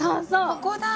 ここだ。